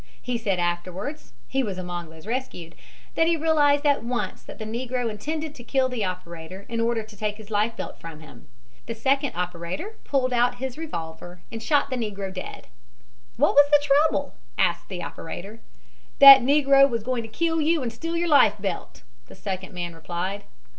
He said afterwards he was among those rescued that he realized at once that the negro intended to kill the operator in order to take his life belt from him. The second operator pulled out his revolver and shot the negro dead. "What was the trouble?" asked the operator. "That negro was going to kill you and steal your life belt," the second man replied.